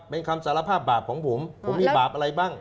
เป็นคำสารภาพบาปของผมผมมีบาปอะไรบ้าง